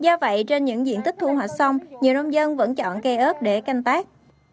do vậy trên những diện tích thu hoạch xong nhiều nông dân vẫn chọn cây ớt để canh tác